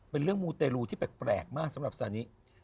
เป็นเรื่องมูเตรลูที่แปลกมากสำหรับซานิ